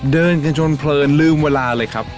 เดินกันจนเพลินลืมเวลาเลยครับ